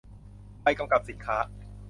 ใบกำกับสินค้า